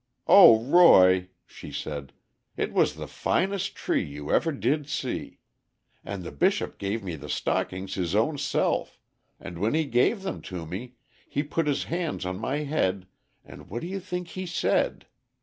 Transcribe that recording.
"Oh, Roy," she said, "it was the finest tree you ever did see! And the Bishop gave me the stockings his own self, and when he gave them to me he put his hands on my head, and what do you think he said?